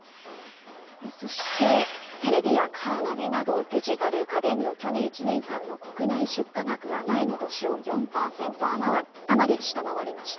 そして、テレビやカーナビなど、デジタル家電の去年１年間の国内出荷額は前の年を４％余り下回りました。